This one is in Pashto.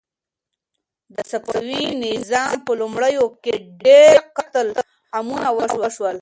د صفوي نظام په لومړیو کې ډېر قتل عامونه وشول.